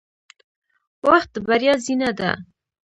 • وخت د بریا زینه ده.